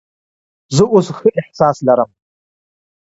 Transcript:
زه اوس ښه احساس لرم.